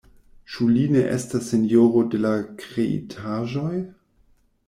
Ĉu li ne estas sinjoro de la kreitaĵoj?